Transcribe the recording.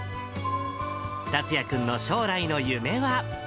達哉君の将来の夢は。